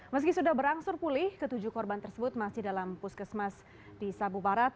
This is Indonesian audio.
meski sudah berangsur pulih ketujuh korban tersebut masih dalam puskesmas di sabu barat